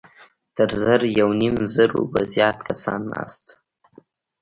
تر زر يونيم زرو به زيات کسان ناست وو.